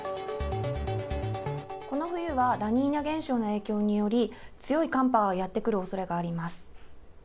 この冬は、ラニーニャ現象の影響により、強い寒波がやって来るおそれがあります。